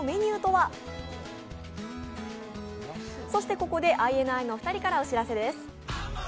ここでＩＮＩのお二人からお知らせです。